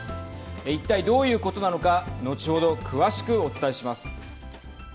一体どういうことなのか後ほど詳しくお伝えします。